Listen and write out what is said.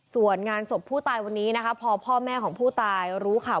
ส่วนงานศพผู้ตายวันนี้นะคะพอพ่อแม่ของผู้ตายรู้ข่าว